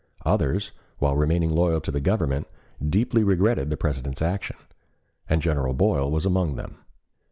Others, while remaining loyal to the Government, deeply regretted the President's action, and General Boyle was among them.